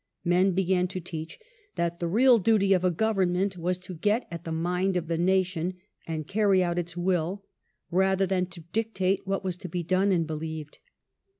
Men began to teach that the real duty of a government was to get at the mind of the nation and carry out its will, rather than to dictate what was to be done and believed.